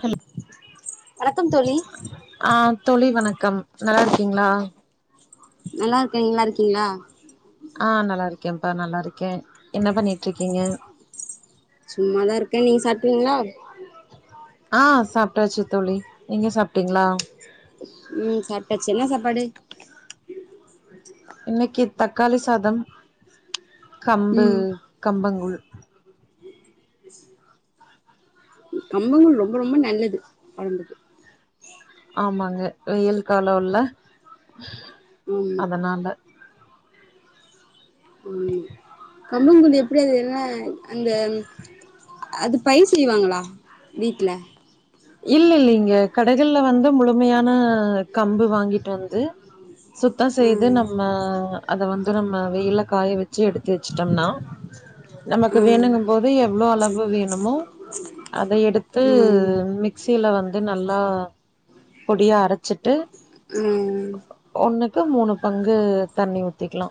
Hello வணக்கம் தோழி ஆ தோழி வணக்கம் நல்லா இருக்கீங்களா நல்லாருக்கே நீங்க நல்லா இருக்கீங்களா ஆ நல்லா இருக்கேன்ப்பா நல்லா இருக்கே என்ன பண்ணிட்டு இருக்கீங்க சும்மாதா இருக்கே நீங்க சாப்டிங்களா ஆஹ் சாப்டாச்சு தோழி நீங்க சாப்ட்டீங்களா உம் சாப்டாச்சு என்ன சாப்பாடு இன்னைக்கு தக்காளி சாதம் கம்பு ம் கம்பங்கூழ் கம்பங்கூழ் ரொம்ப ரொம்ப நல்லது உடம்புக்கு ஆமாங்க வெயில் காலோல்ல ஆமா அதனால ம் கம்பங்கூழ் எப்டியாது என்ன அந்த அது பயிர் செய்வாங்களா வீட்ல இல்ல இல்லங்க கடைகள்ல வந்து முழுமையான கம்பு வாங்கிட்டு வந்து சுத்தோ ஆ செய்து நம்ம அத வந்து நம்ம வெயில காய வச்சு எடுத்து வச்சிடோம்னா நமக்கு ஆ வேணுங்க போது எவ்ளோ அளவு வேணுமோ அத எடுத்து ம் மிக் சில வந்து நல்லா பொடியா அரைச்சிட்டு ம் ம் ஒன்னு க்கு மூணு பங்கு தண்ணி ஊத்திக்கலா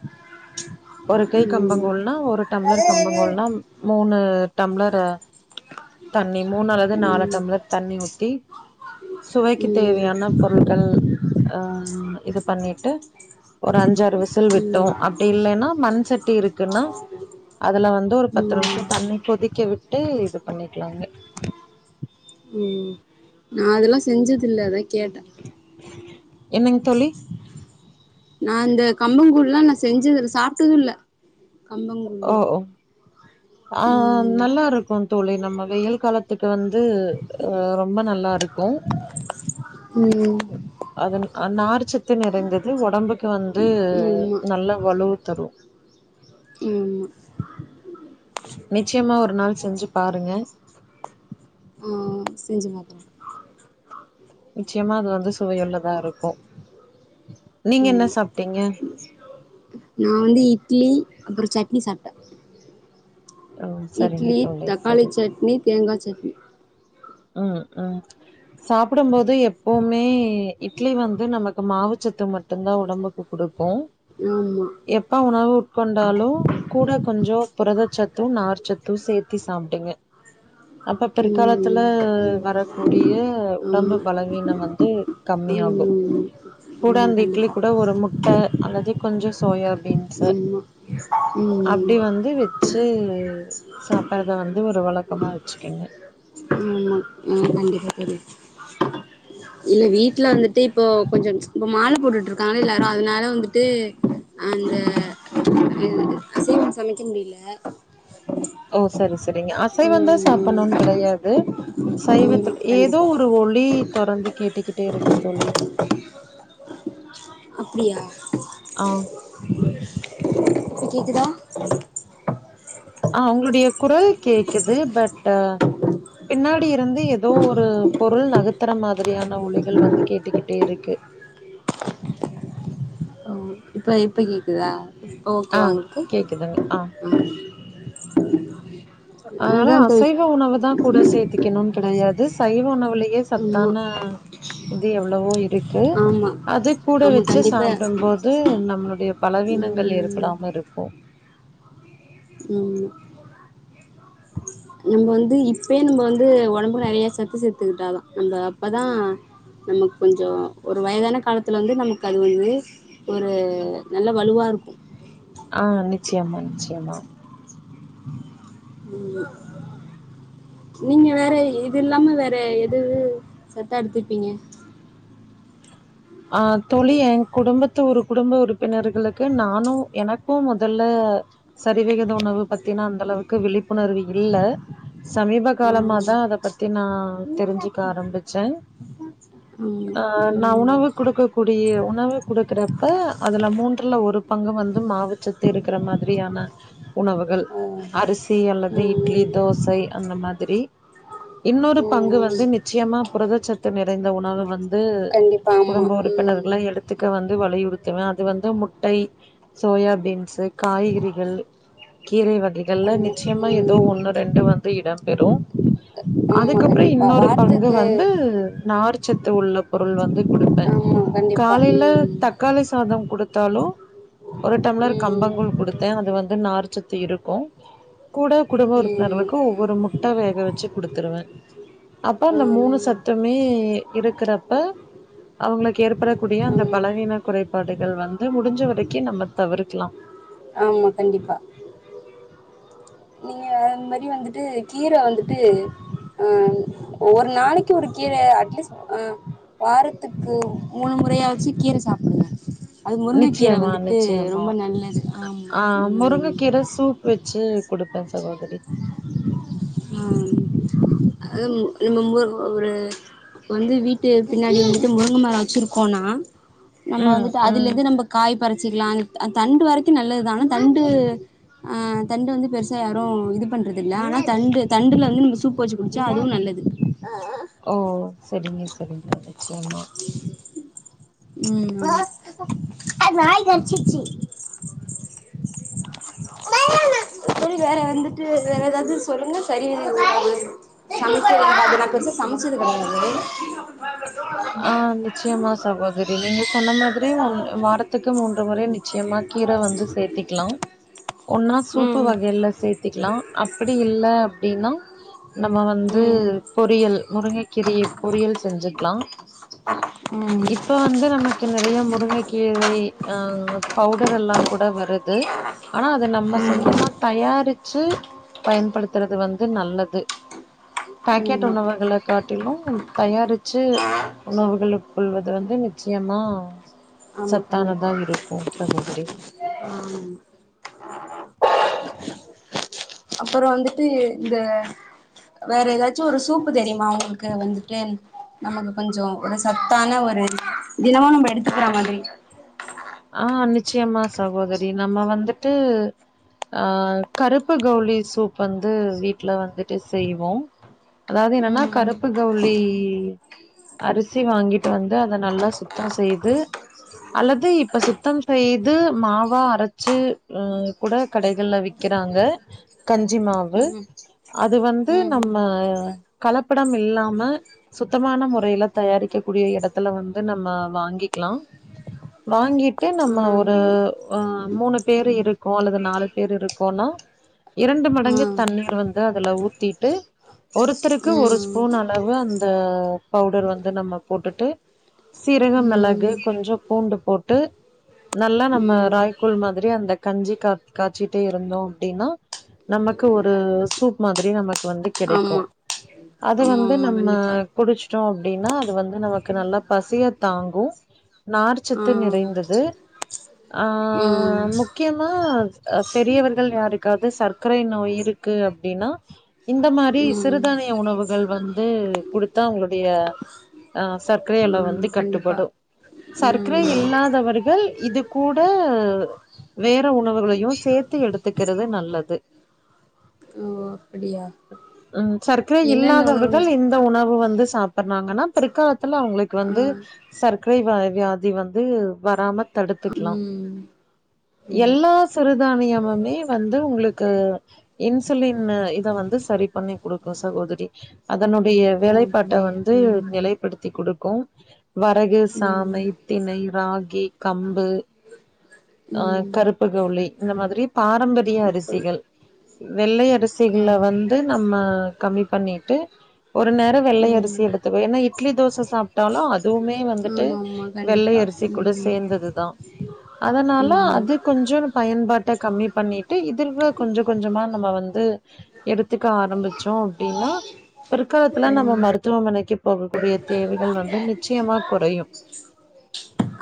ஒரு கை ம் கம்பங்கூழ்னா ஒரு டம்ளர் கம்புகூழ்னா மூணு டம்ளர் தண்ணி மூணு அல்லது நாலு டம்ளர் தண்ணி ஊத்தி ம் சுவைக்கு ம் தேவையான பொருள்கள் ஆ இது பண்ணிட்டு ஒரு அஞ்சாறு விசில் ம் விட்டோ அப் டி இல்லைன்னா மண் சட்டி இருக்குன்னா அதுல வந்து ஒரு பத்து நிமிஷோ தண்ணி கொதிக்க விட்டு விட்டு இது பண்ணிக்கலாங்க ம் நா அதெல்லா செஞ்சதுல்ல அதா கேட்டே என்னங்க தோழி நா இந்த கம்பங்கூழ்லா நா செஞ்சதுல சாப்டது இல்ல ஓ கம்பங்கூழ்லா ஓ ஆ ஆ ம் நல்லா இருக் கு தோழி நம்ம வெயில் காலத்துக்கு வந்து அ ரொம்ப நல்லா இருக்கு ம் அது அ நார்ச்சத்து நிறைந்தது உடம்புக்கு வந்து ஆமா நல்ல வலுவு தரு ஆமா நிச்சயமா ஒரு நாள் செஞ்சு பாருங்க ஆ செஞ்சு பாத்ரலா நிச்சயமா அது வந்து சுவையுள்ளதா இருக்கு நீங்க என்ன ஆமா சாப்டிங்க நா வந்து இட்லி அப்றோ சட்னி சாப்ட்டே ம் சரிங்க இட்லி தோழி தக்காளி சரி சட்னி தேங்கா சட்னி ஆ ஆ சாப்புடும்போது எப்போமே இட்லி வந்து நமக்கு மாவுச்சத்து மட்டுதா உடம்புக்கு குடுக்கு ஆமா எப்ப உணவு உட்கொண்டாலு கூட கொஞ்சோ புரதச்சத்து நார் சத்து சேர்த்தி சாப்டுங்க அப்ப பிற்காலத்துல ம் ம் வரக்கூடிய உடம்பு ஆமா பலவீனம் வந்து கம்மியாகு ஆமாமா கூட ஆமா அந்த இட்லி கண்டிப்பா கூட ஒரு முட் ட அல்லது கொஞ்சோ சோயாபீன்ஸ்சு ஆமா ம் அப்டி வந்து வச் சு சாப்டறத வந்து ஒரு வழக்கமா வச்சுக்கங்க ஆமா ஆ கண்டிப்பா தோழி இல்ல வீட்ல வந்திட்டு இப்போ கொஞ்சோ இப்ப மால போட்டுட்டு இருக்காங்கள எல்லாரு அதனால வந்துட்டு அந்த அசைவம் சமைக்க முடியல ஓ சரி சரிங்க அசைவந்தா ம் சாப்டணும்னு ம் கெடயாது சைவத்து ஆமா ஏதோ கண்டிப்பா ஒரு ஒளி தொடர்ந்து கேட்டுக்கிட்டே இருக்கு தோழி அப்டியா ஆ இப்ப கேக்குதா ஆ உங்களுடைய குரல் கேக்குது பட் டு பின்னாடி இருந்து ஏதோ ஒரு பொருள் நகுத்தற மாரி திரியான ஒலிகள் வந்து கேட்டுக்கிட்டே இருக்கு. ஓ இப்ப இப்ப கேக்குதா இப்போ ஆ ஓகேவா உங்குளுக்கு? கேக்குதுங்க ஆ ம் ஆ அதனால அதா தோழி அசைவ உணவதா கூட சேத்தி க்கணுன் கெடையாது சைவ உணவுலியே ஆமா சத்தான இது எவ்ளவோ இரு க்கு ஆமா அத கூட ஆமா வெச்சு கண்டிப்பா சாப்டம் போது நம்ளுடைய பலவீனங்கள் இருக் ம் [unintelligible] இருக்கு. ம். நம்ம வந்து இப்பியே நம்ப வந்து ஒடம்புக்கு நறையா சத்து சேத்துகிட்டாதா நம்ப அப்பதா நமக் கொஞ்சோ ஒரு வயதான காலத்துல வந்து நமக்கு அது வந்து ஒரு நல்ல வலுவா இருக்கு. ஆ நிச்சியமா நிச்சியமா. ம். நீங்க வேற இது இல்லாம வேற எது சத்தா எடுத்துப்பீங்க? ஆ தோழி எ குடும்பத்து ஒரு குடும்ப உறுப்பினர்களுக்கு நானு எனக்கு முதல்ல சரிவிகித உணவு பத்தினா அந்த அளவுக்கு விழிப்புணர்வு இல்ல. சமீப ஆ காலமாதா அத பத்தி நா தெரிஞ்சுக்க ஆரம்பிச்சே. ஆ நா உணவு குடுக்கக்கூடிய உணவு குடுக்குறப்ப அதுல மூன்றுல ஒரு பங்கு வந்து மாவுச்சத் த்து இருக்குற மாதிரியான உணவுகள் ஆமா அரிஸ் சி ம் அல்லது ம் இட்லி தோசை அந்த மாதிரி இன்னொரு பங்கு வந்து நிச்சயமா புரதச்சத்து நிறைந்த உணவ வந்து குடும்ப உறுப்பினர்கள எடுத்துக்க வந்து வலியுறுத்துவே அது வந்து முட்டை, சோயா பீன்ஸு காய்கறிகள் கீரை வகைகள்ல நிச்சயமா எதோ ம் ஒன்னு ரெண்டு வந் து இடம்பெரு ம் ம் அதுக்கப்புறோ கண்டிப்பா இன்னொரு ஆமா ம் ஆமா ம் ஆமா கண்டிப்பா பங்கு வாரத்துக்கு வந்து நார் சத்து உள்ள பொருள் வந்து குடுப்பே ஆமா கண்டிப்பா காலைல தக்காளி சாதோ குடுத்தாலு ஒரு டம்ளர் ம் கம்பங்கூழ் குடுத்தே அது வந்து நார்ச்சத்து இருக்கு. கூட குடும்ப ம் ம் உறுப்பினர்களுக்கு ஒவ்வொரு முட்ட வேக வெச்சு குடுத்துருவே. அப்ப அந்த ஆம், மூணு சத்துமே இருக்கறப்ப அவுங்களுக்கு ஏற்படக்கூடிய அந்த ஆமா. பலவீன குறைபாடுகள் வந்து முடிஞ்ச வரைக்கி நம்ம தவிர்க்லா. ஆமா கண்டிப்பா. நீங்க இந்மாரி வந்துட்டு கீர வந்துட்டு அ ஒரு நாளைக் க்கு ஒருக் கீரே அட்லீஸ் அ வாரத்துக்கு மூணு முறையாச்சி கீர சாப்புடுங்க. அது முருங்கக் கீர நிச்சயமா வந்துட்டு நிச்சயமா ரொம்ப நல்லது. ஆமா. ஆ முருங்கக் ம். கீர சூப் வெச்சு குடுப்பே சகோதரி. ம் அதும் இதுமும் முர் ஒரு வந்து வீட்டு பின்னாடி வந்துட்டு முருங்க மரோ வெச்சிருக்கோனா நம்ப ம் வந்துட்டு ம் அதுலந்து நம்ப காய் பறிச்சிக்லா த் அ தண்டு வரைக்கு நல்லதுதா ஆனா தண்டு ஆ தண்டு வந்து பெருசா யாரு இது பண்றதில்ல ஆனா தண்டு தண்டுல வந்து நம்ம சூப்பு வெச்சு குடிச்சா அதுவு நல்லது. ஓ செரிங்க செரிங்க நிச்சயம்மா. ம். சரி வேற வந்துட்டு வேற ஏதாவது சொல்லுங்க சரி [unintelligible] சமைக்கது [inaudible] சமைச்சிது கெடையாது. ஆ நிச்சய்மா சகோதரி நீங்க சொன்ன மாதிரி ஒன் வாரத்துக்கு மூன்று முறை நிச்சயமா கீர வந்து சேர்த்திக்கிலாம் [inaudible] ஒன்னா சூப்பு ம் வகைல சேர்த்திக்கலாம் அப்டி இல்ல அப்டின்னா நம்ம வந்து ம் பொறியல் முருங்கைக்கீரிய பொறியல் செஞ்சுக்லாம் ம் இப்ப வந்து நமக்கு நெறைய முருங்கை கீரை ஆஹ் பவுடரெல்லாம் கூட வருது ஆனா அத நம் நம்ப சொந்தமா தயாரிச்சு பயன்படுத்துறது வந்து நல்லது பாக்கெட் ஆமா உணவகள காட்டிலும் தயாரிச்சு உணவுகள் உட்கொள்வது வந்து நிச்சயமா சத்தானதா இருக்கூ சகோதரி ஆம் அப்றம் வந்துட்டு இந்த வேற ஏதாச்சு ஒரு சூப்பு தெரியுமா உங்களுக்கு வந்துட்டு நமக்கு கொஞ்சோம் ஒரு சத்தான ஒரு தினமும் நம்ப எடுத்துக்கற மாதிரி ஆ நிச்சயமா சகோதரி நம்ம வந்துட்டு ஆ கருப்பு கவுளி சூப் வந்து வீட்ல வந்துட்டு செய்வோ அதாது என்னன்னா கருப்பு கவுலி அரிசி வாங்கிட்டு வந்து அத நல்லா சுத்தம் செய்து அல்லது இப்ப சுத்தம் செய்து மாவா அரச்சு கூட கடைகள்ல விக்குறாங்க கஞ்சி மாவு அது வந்து ம் ம் நம்ம கலப்படம் இல்லாம சுத்தமான முறையில தயாரிக்க கூடிய எடத்துல வந்து நம்ம வாங்கிக்கலாம் வாங்கிட்டு நம்ம ஒரு ஆமா ஆ மூணு பேரு இருக்கோ அல்லது நாலு பேரு இருக்கோனா இரண்டு மடங்கு ஆ தண்ணீர் வந்து அதுல ஊத்திட்டு ஒருத்தருக்கு ம் ம் ம் ஒரு ஸ்பூன் அளவு அந்த அ பவுடர் வந்து நம்ம போட்டுட்டு சீரக மெளகு கொஞ்சோ பூண்டு போட்டு நல்லா நம்ம ராய்க்கூல் மாதிரி அந்த கஞ்சி கா காச்சிட்டே இருந்தோம் அப்டினா நமக்கு ஒரு சூப் மாதிரி நமக்கு வந்து கிடைக்கூ ஆமா அது ஆமா வந்து ஆமா நம்ம கண்டிப்பா குடுச்ட்டோ அப்டின்னா அது வந்து நமக்கு நல்லா பசிய தாங்கும் ஆ நார்ச்சத்து நிறைந்தது ஆ ம் ஆ ம் முக்கியமா பெரியவர்கள் யாருக்காது சர்க்கரை நோய் இருக் கு அப்டினா இந்த மாறி சிறுதானிய உணவுகள் வந்து குடுத்தா அவங்களுடைய ஆ சக்கரை அளவு வந்து ஆமா கண்டிப்பா கட்டுப்படு சர்க் க்ரை ம் இல்லாதவர்கள் இது கூட வேற உணவுகளையு சேத்து எடுத்துக்கறது நல்லது ஓ அப்படியா ம் சர்க்கரை என்னென்ன இல்லாதவர்கள் உணவு இந் ந்த உணவு வந்து சாப்பட்றாங்கனா பிற்காலத்துல அவ்ங்களுக்கு ஆ வந்து சர்க்கரை வ வியா தி வந்து வராம தடுத்துக்லாம் ம் ம் எல்லா சிறுதானியமுமே வந்து உங்களுக்கு இன்சுலின் இத வந்து சரி பண்ணி குடுக்கு சகோதரி அதனுடைய ஆ வேலைப்பாட்ட அப்படி வந்து ம் நிலைபடுத்தி கொடுக்கூம் வரகு ம் சாமை திணை ராகி கம்பு ஆ ம் கருப்பு கவுளி இந்த மாதிரி பாரம்பரிய இப்படி அரிசிகள் வெள்ளை ஆ அரிசிகள வந்து நம்ம கம்மி பண்ணிட்டு ஒரு நேரோவெள்ளை அரிசி ம் எடுத்துக்கோ ஏன்னா இட்லி தோச சாப்ட்டாலு அதுவுமே வந்துட்டு ஆமா ஆமா வெள்ளை கண்டிப்பா அரிசி கூட ம் சேந்ததுதா அதனால ஆமா அதுக் கொஞ்சோனு பயன்பாட்ட கம்மி பண்ணிட்டு இதில்வ கொஞ்சொ கொஞ்சமா நம்ம வந்து எடுத்துக்க ஆரம்பிச்சோ அப்டின்னா பிற்காலத்துல நம்ம மருத்துவமனைக்கு போகக்கூடிய தேவைகள் வந்து நிச்சயமா குறையு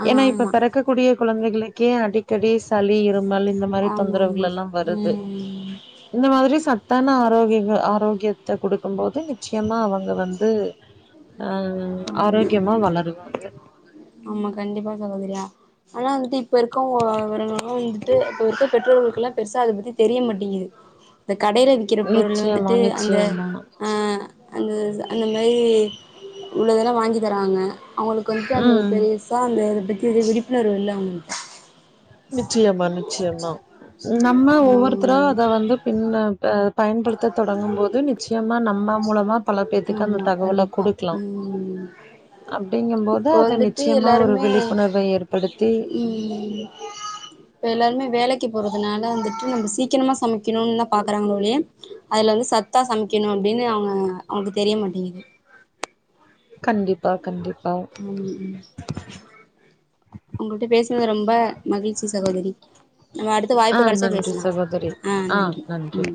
ஏன்னா இப்ப ஆமா பிறக்கக்கூடிய குழந்தைகளுக்கே அடிக்கடி சளி இருமல் இந்த மாறி ஆ ஆமா ஆமா தொந்தரவுகள் ஆமா எல்லாம்வருது து ம் இந்த மாதிரி சத்தான ஆரோக்கியங்க ஆரோக்கியத்த குடுக்கும் போது நிச்சயமா அவங்க வந்து ஆ ஆமா ஆரோக்கியமா வளருவாங்க ஆமா கண்டிப்பா சகோதரியா ஆனா வந்து இப்ப இருக்கவுங்க [unintelligible] வந்துட்டு இப்ப இருக்க பெற்றோர்களுக்குல்லா பெருசா அத பத்தி தெரிய மாட்டேங்குது இந்த கடையில விக்கிற பொருள் நிச்சயமா வந்துட்டு அந்த நிச்சயமா ஆ அந்த அந்த மாரி உள்ளதெல்லா வாங்கி தராங்க அவுங்களுக் கொஞ்ச அந்த ஒரு ம் பெருசா அந்த அத பத்தி விழப்புணர்வு இல்ல அவுங்கள்ட நிச்சியமா நிச்சியமா நம்ம ஒவ்வொருத்தரா ம் அத வந்து பின்ன ப பயன்படுத்த தொடங்கும் போது நிச் சயமா நம்ம மூலமா பல பேத்துக்கு அந்த ஆமா தகவல கண்டிப்பா குடுக்லா ம் அப்டிங்கும்போது இப்போ அத வந்துட்டு நிச்சயமா ஒரு எல்லாருமே விழிப்புணர்வ ஏற்படுத்தி ம் இப்ப எல்லாருமே வேலக்கி போறதுனால வந்துட்டு நம்ப சீக்கிரமா சமைக்கணுன்தா பாக்குறாங்க ஒழிய அதுல வந்து சத்தா சமைக்கணு அப்டின்னு அவுங்க அவுங்கக்கு தெரிய மாட்டேங்குது கண்டிப்பா கண்டிப்பா ம் ம் உங்கள்ட்ட பேசுனது ரொம்ப மகிழ்ச்சி சகோதரி நம்ம அடுத் த்து ஆ வாய்ப்பு கெடச்சா நன்றி பேச்லா சகோதரி. ஆ நன்றி ம்